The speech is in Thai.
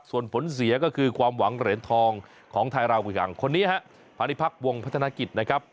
ส่วนผลเสียก็คือความหวังเหรียญทองของไทยราหูยังคนนี้ฮะพาณิพักษ์วงพัฒนกิจนะครับ